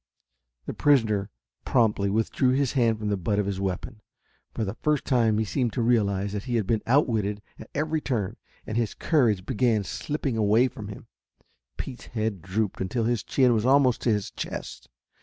The prisoner promptly withdrew his hand from the butt of his weapon. For the first time he seemed to realize that he had been outwitted at every turn, and his courage began slipping away from him. Pete's head drooped until his chin was almost to his chest.